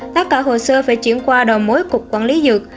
tất cả hồ sơ phải chuyển qua đầu mối cục quản lý dược